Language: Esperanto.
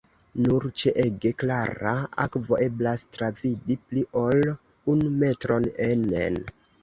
Nur ĉe ege klara akvo eblas travidi pli ol unu metron enen.